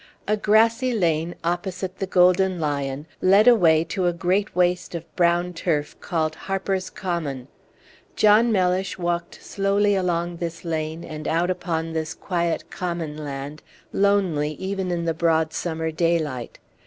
A grassy lane opposite the Golden Lion led away to a great waste of brown turf called Harper's Common. John Mellish walked slowly along this lane, and out upon this quiet common land, lonely even in the broad summer daylight.